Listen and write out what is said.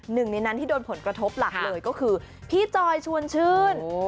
หนึ่งในนั้นที่โดนผลกระทบหลักเลยก็คือพี่จอยชวนชื่น